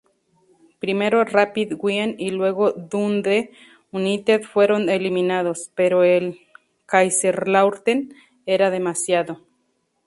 Primero Rapid Wien y luego Dundee United fueron eliminados, pero el Kaiserslautern era demasiado.